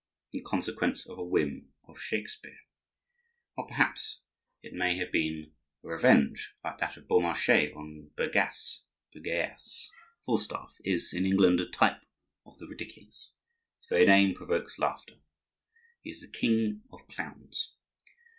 In consequence of a whim of Shakespeare—or perhaps it may have been a revenge, like that of Beaumarchais on Bergasse (Bergearss)—Falstaff is, in England, a type of the ridiculous; his very name provokes laughter; he is the king of clowns.